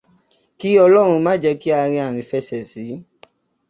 Kí ọlọ́run máa jẹ́ kí a rin àrìnfẹsẹ̀sí.